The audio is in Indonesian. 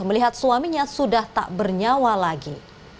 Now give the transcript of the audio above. melihat suaminya sudah tak bernyawa lagi